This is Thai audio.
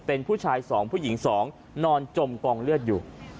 เป็นผู้ชาย๒ผู้หญิง๒นอนจมกองเลือดอยู่